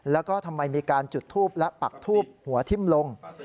แล้วก็ทำไมมีการจุดทูปและปักทูบหัวทิ้มลง